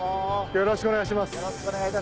よろしくお願いします。